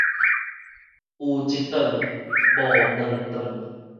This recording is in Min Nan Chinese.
有一頓，無兩頓